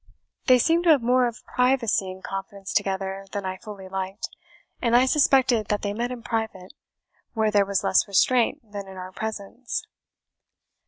They seemed to have more of privacy and confidence together than I fully liked, and I suspected that they met in private, where there was less restraint than in our presence.